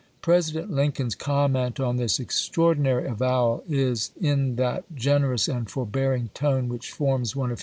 President Lincoln's comment on this extraordinary avowal is in that EAST TENNESSEE 71 generous and forbearing tone which forms one of chap.